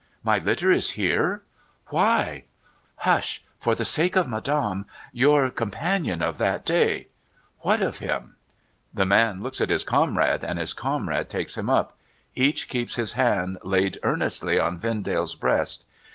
' My litter is here ? Why ?'' Hush ! For the sake of Madame. Your companion of that day '' What of him ?' The man looks at his comrade, and his comrade takes him up. Each keeps his hand laid earnestly on Vendale's breast.